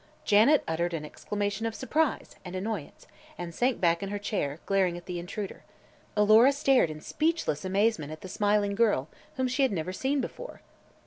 Janet uttered an exclamation of surprise and annoyance and sank back in her chair, glaring at the intruder. Alora stared in speechless amazement at the smiling girl, whom she had never seen before.